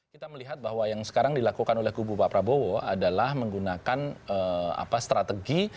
kita melihat bahwa yang sekarang dilakukan oleh kubu pak prabowo adalah menggunakan strategi